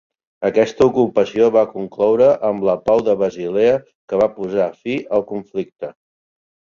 Aquesta ocupació va concloure amb la Pau de Basilea que va posar fi al conflicte.